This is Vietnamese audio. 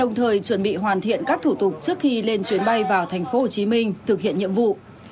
đồng thời chuẩn bị hoàn thiện các thủ tục trước khi lên chuyến bay vào tp hcm thực hiện nhiệm vụ